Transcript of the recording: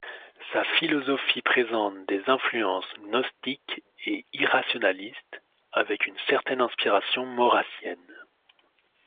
Sa philosophie présente des influences gnostiques et irrationaliste, avec une certaine inspiration maurrassienne.